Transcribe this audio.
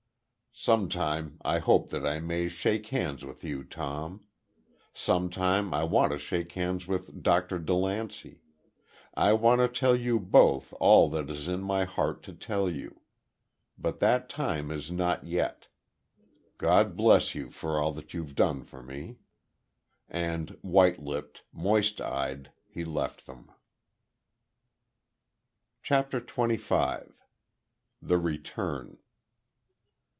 Sometime, I hope that I may shake hands with you, Tom. Sometime I want to shake hands with Dr. DeLancey. I want to tell you both all there is in my heart to tell you. But that time is not yet. God bless you for all that you've done for me." And, white lipped, moist eyed, he left them. CHAPTER TWENTY FIVE. THE RETURN.